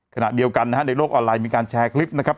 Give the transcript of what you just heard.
ขณะเดียวกันนะฮะในโลกออนไลน์มีการแชร์คลิปนะครับ